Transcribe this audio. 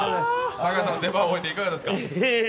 酒井さん、出番を終えていかがですか？